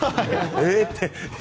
えっ？って。